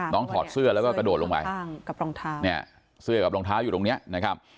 น้องถอดเสื้อแล้วก็กระโดดลงไปเสื้อกับรองเท้าอยู่ตรงเนี่ยนะครับ